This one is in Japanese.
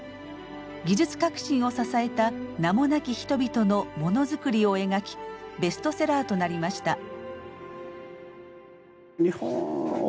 技術革新を支えた名もなき人々のものづくりを描きベストセラーとなりました。